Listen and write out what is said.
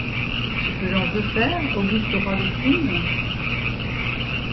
Ce que j’en veux faire, auguste roi de Thunes ?